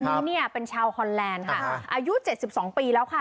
นี่เนี่ยเป็นชาวฮอนแลนด์ค่ะอายุเจ็ดสิบสองปีแล้วค่ะ